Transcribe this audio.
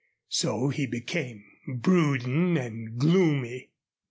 So he became brooding and gloomy.